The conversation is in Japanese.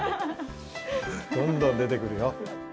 どんどん出て来るよ。